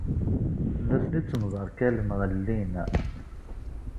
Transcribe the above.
Nutni ttemderkalen, ɣellin.